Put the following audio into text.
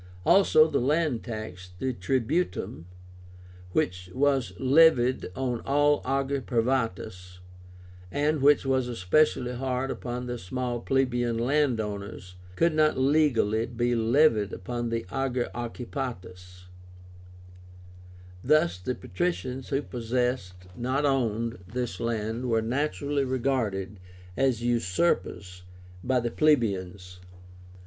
Also the land tax (TRIBÚTUM), which was levied on all ager privátus, and which was especially hard upon the small plebeian land owners, could not legally be levied upon the ager occupátus. Thus the patricians who possessed, not owned, this land were naturally regarded as usurpers by the plebeians.